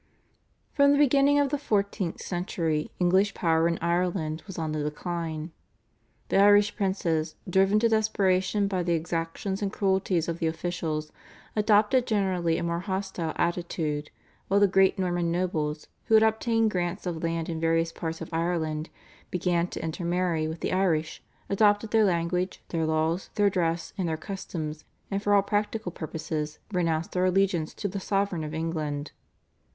From the beginning of the fourteenth century English power in Ireland was on the decline. The Irish princes, driven to desperation by the exactions and cruelties of the officials, adopted generally a more hostile attitude, while the great Norman nobles, who had obtained grants of land in various parts of Ireland, began to intermarry with the Irish, adopted their language, their laws, their dress, and their customs, and for all practical purposes renounced their allegiance to the sovereign of England.